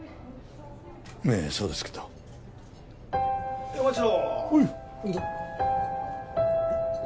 ええそうですけど・お待ちどおおい